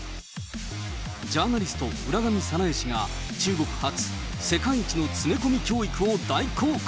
ジャーナリスト、浦上早苗氏が中国発、世界一の詰め込み教育を大公開。